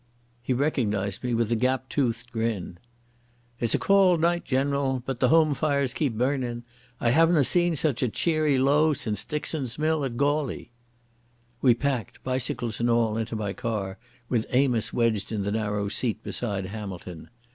He recognised me with a gap toothed grin. "It's a cauld night, General, but the home fires keep burnin'. I havena seen such a cheery lowe since Dickson's mill at Gawly." We packed, bicycles and all, into my car with Amos wedged in the narrow seat beside Hamilton.